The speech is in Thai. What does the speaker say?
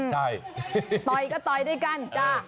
ต่อยก็ต่อยด้วยกัน